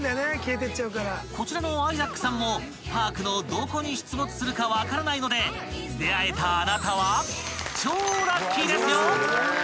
［こちらのアイザックさんもパークのどこに出没するか分からないので出会えたあなたは超ラッキーですよ］